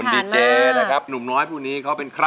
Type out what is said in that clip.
ร้องได้ให้ล้านบนเวทีเลยค่ะ